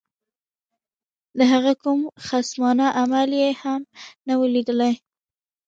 د هغه کوم خصمانه عمل یې هم نه وو لیدلی.